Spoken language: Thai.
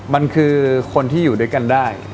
มันคือคนที่อยู่ด้วยกันได้